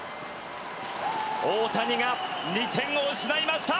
大谷が２点を失いました。